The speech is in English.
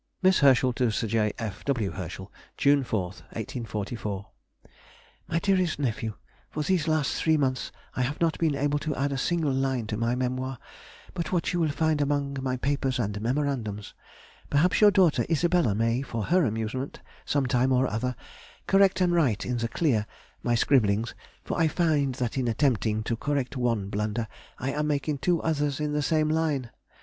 MISS HERSCHEL TO SIR J. F. W. HERSCHEL. June 4, 1844. MY DEAREST NEPHEW,— ... For these last three months I have not been able to add a single line to my Memoir, but what you will find among my papers and memorandums; perhaps your daughter Isabella may, for her amusement some time or other, correct and write in the clear, my scribblings, for I find that in attempting to correct one blunder I am making two others in the same line.